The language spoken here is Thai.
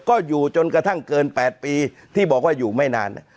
ก็อยู่จนกระทั่งเกิน๘ปีที่บอกว่าอยู่ไม่นาน